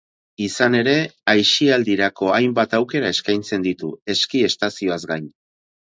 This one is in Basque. Izan ere, aisialdirako hainbat aukera eskaintzen ditu, eski estazioaz gain.